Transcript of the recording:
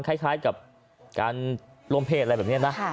คล้ายกับการร่วมเพศอะไรแบบนี้นะ